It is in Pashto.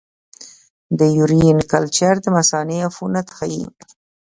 د یورین کلچر د مثانې عفونت ښيي.